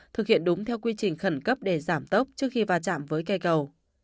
thực hiện đúng theo quy trình khẩn cấp để giảm tốc trước khi va chạm với cây cầu